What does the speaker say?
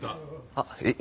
あっえっ